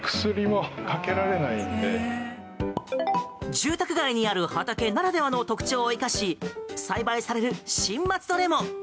住宅街にある畑ならではの特徴を生かし、栽培される新松戸レモン。